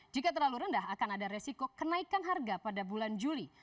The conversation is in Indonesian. jika terlalu rendah akan ada resiko kenaikan harga pada bulan juli